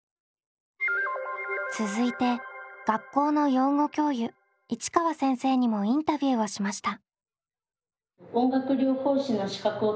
続いて学校の養護教諭市川先生にもインタビューをしました。